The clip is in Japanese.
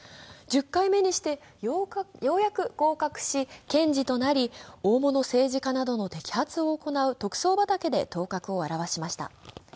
１０回目にしてようやく合格し、検事となり大物政治家などの摘発を行う特捜畑で頭角を現しました。